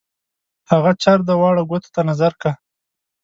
هغه چر دی واړه ګوتو ته نظر کا.